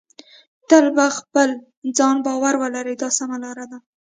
تل په خپل ځان باور ولرئ دا سمه لار ده.